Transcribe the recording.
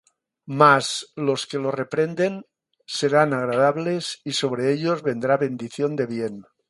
Mas los que lo reprenden, serán agradables, Y sobre ellos vendrá bendición de bien.